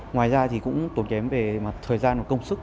ngoài ra thì cũng tốn kém về mặt thời gian và công sức